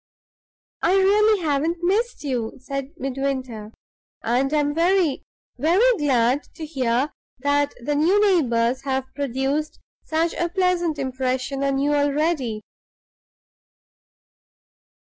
"I really haven't missed you," said Midwinter; "and I am very, very glad to hear that the new neighbors have produced such a pleasant impression on you already."